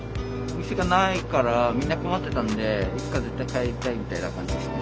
店がないからみんな困ってたんでいつか絶対帰りたいみたいな感じですかね。